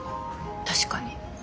確かに。